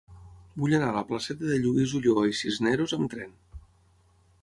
Vull anar a la placeta de Lluís Ulloa i Cisneros amb tren.